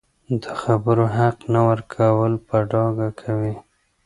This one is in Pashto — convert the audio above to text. د خبرو حق نه ورکول په ډاګه کوي